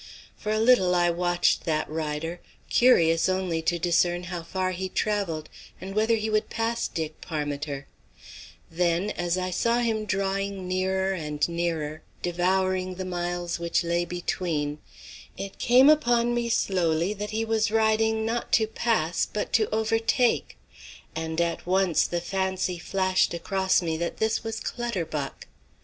For a little I watched that rider, curious only to discern how far he travelled, and whether he would pass Dick Parmiter; then, as I saw him drawing nearer and nearer, devouring the miles which lay between, it came upon me slowly that he was riding not to pass but to overtake; and at once the fancy flashed across me that this was Clutterbuck.